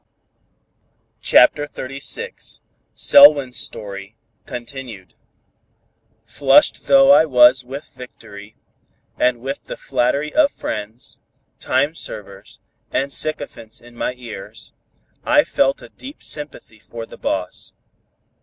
CHAPTER XXXVI SELWYN'S STORY, CONTINUED Flushed though I was with victory, and with the flattery of friends, time servers and sycophants in my ears, I felt a deep sympathy for the boss.